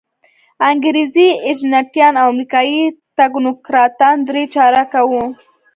انګریزي ایجنټان او امریکایي تکنوکراتان درې چارکه وو.